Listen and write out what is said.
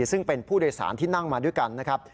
ซึ่งเป็นผู้โดยสารที่นั่งมาด้วยกันนะครับ